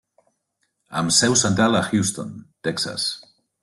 Amb seu central a Houston, Texas.